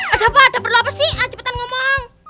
ada apa ada perlu apa sih cepetan ngomong